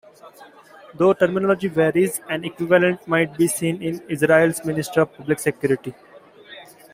Though terminology varies, an equivalent might be seen in Israel's Ministry of Public Security.